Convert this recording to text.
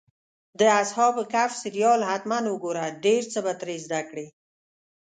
د اصحاب کهف سریال حتماً وګوره، ډېر څه به ترې زده کړې.